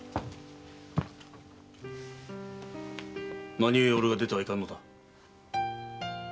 何故俺が出てはいかんのだ？